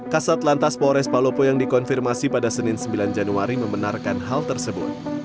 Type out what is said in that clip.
kasat lantas polres palopo yang dikonfirmasi pada senin sembilan januari membenarkan hal tersebut